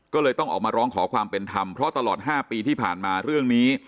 ก็เลยต้องออกมาร้องขอความเป็นธรรมเพราะตลอด๕ปีที่ผ่านมาเรื่องนี้